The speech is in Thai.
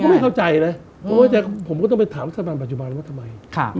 ผมก็ไม่เข้าใจเลยผมก็ต้องไปถามสำหรับปัจจุบันว่าทำไม